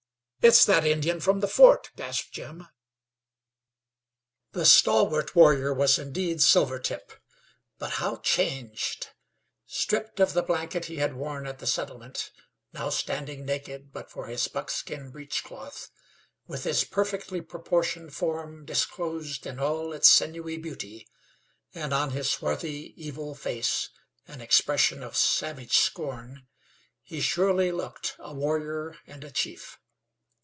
"It's that Indian from the fort!" gasped Jim. The stalwart warrior was indeed Silvertip. But how changed! Stripped of the blanket he had worn at the settlement, now standing naked but for his buckskin breech cloth, with his perfectly proportioned form disclosed in all its sinewy beauty, and on his swarthy, evil face an expression of savage scorn, he surely looked a warrior and a chief.